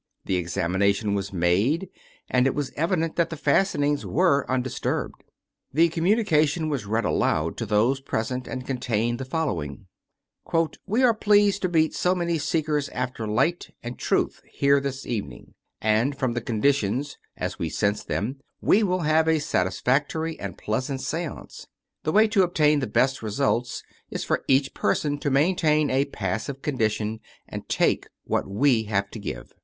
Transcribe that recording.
The examination was made and it was evident that the fastenings were undis turbed. The communication was read aloud to those pres ent, and contained the following: '* We are pleased to meet so many seekers after light and truth here this evening, and, from the conditions, as we sense them, we will have a satisfactory and pleasant seance. The way to obtain the best results is for each person to maintain a passive condition and take what we have to give.